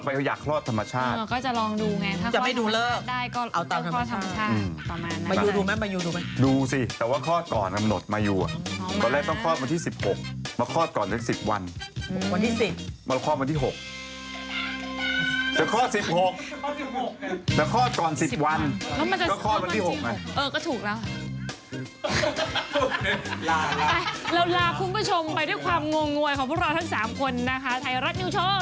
๑๒นี่ชุนาอ๋อนี่ชุนาอ๋อนี่ชุนาอ๋อนี่ชุนาอ๋อนี่ชุนาอ๋อนี่ชุนาอ๋อนี่ชุนาอ๋อนี่ชุนาอ๋อนี่ชุนาอ๋อนี่ชุนาอ๋อนี่ชุนาอ๋อนี่ชุนาอ๋อนี่ชุนาอ๋อนี่ชุนาอ๋อ